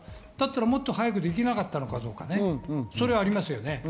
だったらもっと早くできなかったのかとか、それはありますよね。